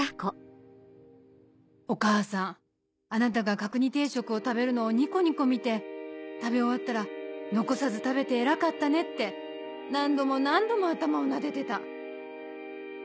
お母さんあなたが角煮定食を食べるのをニコニコ見て食べ終わったら「残さず食べて偉かったね」って何度も何度も頭をなでてた。